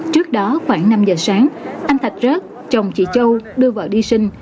trước đó khoảng năm giờ sáng anh thạch rớt chồng chị châu đưa vợ đi sinh